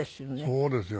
そうですよ。